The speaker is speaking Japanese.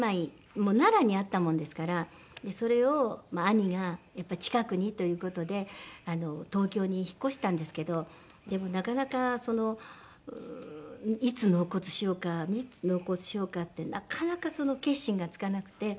奈良にあったものですからそれを兄がやっぱり近くにという事で東京に引っ越したんですけどでもなかなかそのいつ納骨しようかいつ納骨しようかってなかなかその決心がつかなくて。